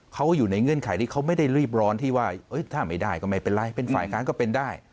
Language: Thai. เขาอยู่ในเงื่อนไขที่เขาไม่ได้รีบร้อนที่ว่าถ้าไม่ได้ก็ไม่เป็นไรเป็นฝ่ายค้านก็เป็นได้